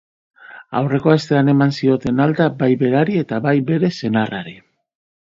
Aurreko astean eman zioten alta, bai berari, eta bai bere senarrari.